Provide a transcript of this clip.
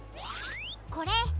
これ。